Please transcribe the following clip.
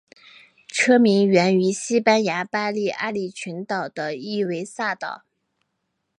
车名源自西班牙巴利阿里群岛的伊维萨岛。